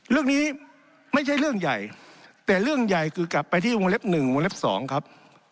เรื่องนี้ไม่ใช่เรื่องใหญ่แต่เรื่องใหญ่คือกลับไปที่วงเล็บ๑วงเล็บ๒ครับ